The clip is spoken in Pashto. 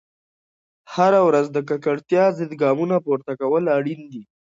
هره ورځ د ککړتیا ضد ګامونه پورته کول اړین دي.